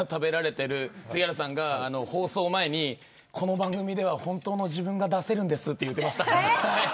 杉原さんが放送前にこの番組では本当の自分が出せるんですと言ってました。